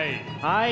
はい。